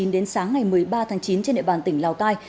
đến sáng ngày một mươi ba tháng chín trên địa bàn tỉnh lào cai